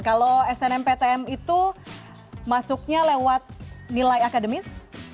kalau snm ptn itu masuknya lewat nilai akademis